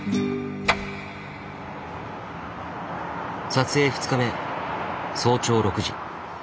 撮影２日目早朝６時。